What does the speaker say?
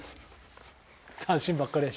三振ばっかりやし？